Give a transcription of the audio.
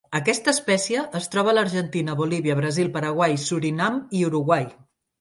Aquesta espècie es troba a l'Argentina, Bolívia, Brasil, Paraguai, Surinam, i Uruguai.